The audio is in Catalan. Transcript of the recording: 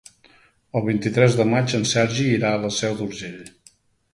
El vint-i-tres de maig en Sergi irà a la Seu d'Urgell.